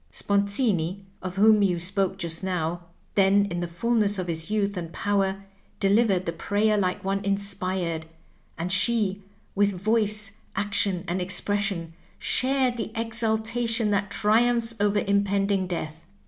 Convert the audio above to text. Sponzini, of whom you spoke just now, then in the fullness of his youth and power, delivered the prayer like one inspired, and she, with voice, action, and expression, shared the exaltation that triumphs over impending death.